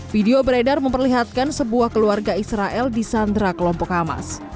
video beredar memperlihatkan sebuah keluarga israel di sandra kelompok hamas